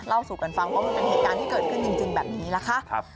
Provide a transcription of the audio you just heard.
สู่กันฟังว่ามันเป็นเหตุการณ์ที่เกิดขึ้นจริงแบบนี้นะคะ